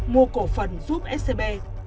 mua cổ phần giúp scb